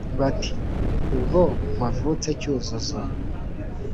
bati ubwo wavutse cyuzuzo